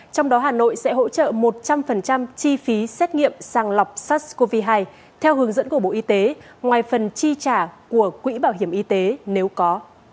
trong đó hà nội sẽ hỗ trợ một trăm linh chi phí xét nghiệm sàng lọc sars cov hai theo hướng dẫn của bộ y tế ngoài phần chi trả của quỹ bảo hiểm y tế nếu có